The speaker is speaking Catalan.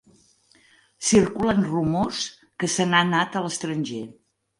Circulen rumors que se n'ha anat a l'estranger.